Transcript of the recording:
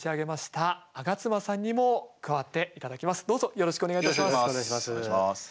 よろしくお願いします。